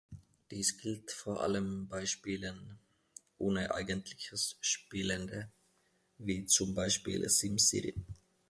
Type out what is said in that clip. Dies gilt vor allem bei Spielen ohne eigentliches Spielende wie zum Beispiel "Sim City".